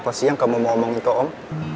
apa sih yang kamu mau omong itu om